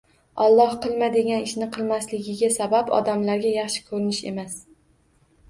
Alloh qilma degan ishni qilmasligiga sabab odamlarga yaxshi ko'rinish emas